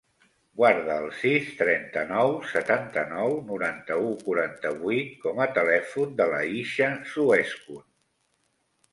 Guarda el sis, trenta-nou, setanta-nou, noranta-u, quaranta-vuit com a telèfon de l'Aicha Suescun.